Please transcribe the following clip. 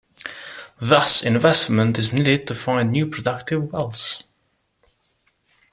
Thus, investment is needed to find new productive wells.